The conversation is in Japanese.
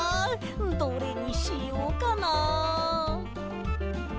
どれにしようかな？